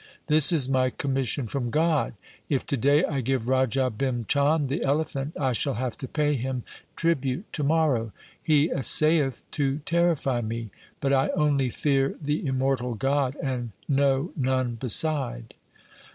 This is my commission from God. If to day I give Raja Bhim Chand the elephant, I shall have to pay him tribute to morrow. He essayeth to terrify me, but I only fear the immortal God and know none beside.'